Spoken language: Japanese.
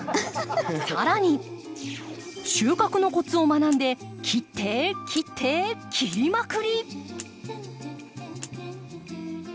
更に収穫のコツを学んで切って切って切りまくり！